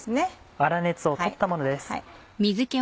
粗熱を取ったものです。